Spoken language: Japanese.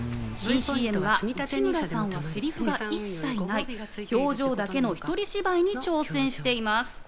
新ＣＭは内村さんは、セリフが一切ない表情だけの一人芝居に挑戦しています。